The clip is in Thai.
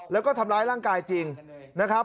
แล้วก็ทำร้ายร่างกายจริงนะครับ